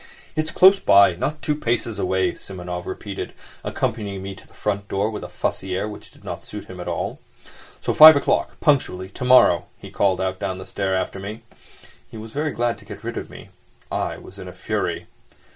"It's close by ... not two paces away," Simonov repeated, accompanying me to the front door with a fussy air which did not suit him at all. "So five o'clock, punctually, tomorrow," he called down the stairs after me. He was very glad to get rid of me. I was in a fury.